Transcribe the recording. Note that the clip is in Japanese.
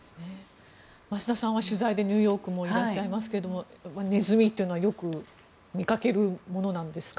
増田さんは取材でニューヨークにもいらっしゃいますがネズミというのはよく見かけるものなんですか？